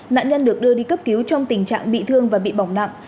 nạn nhân được đưa đi cấp cứu trong tình trạng bị thương và bị bỏng nặng